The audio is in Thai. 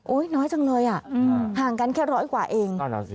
น้อยจังเลยอ่ะห่างกันแค่ร้อยกว่าเอง